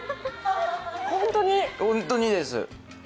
本当にです。